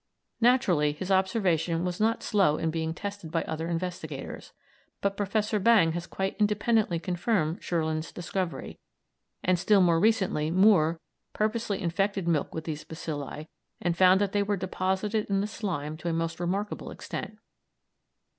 Naturally his observation was not slow in being tested by other investigators; but Professor Bang has quite independently confirmed Scheurlen's discovery, and, still more recently, Moore purposely infected milk with these bacilli, and found that they were deposited in the slime to a most remarkable extent.